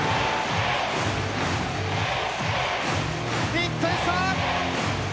１点差。